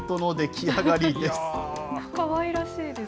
かわいらしいです。